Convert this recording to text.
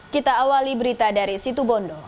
kita awali berita dari situbondo